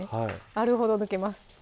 あるほどむけます